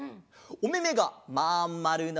おめめがまんまるの。